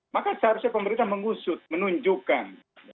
maka seharusnya pemerintah mengusut menunjukkan